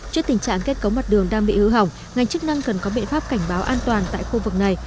trước tình trạng kết cấu mặt đường đang bị hư hỏng ngành chức năng cần có biện pháp cảnh báo an toàn tại khu vực này